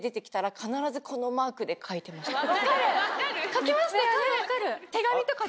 書きましたよね？